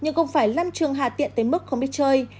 nhưng không phải lăn trường hà tiện tới mức không biết chơi